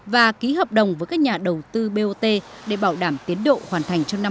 và ký hợp đồng với các nhà đầu tư bot để bảo đảm tiến độ hoàn thành trong năm hai nghìn hai mươi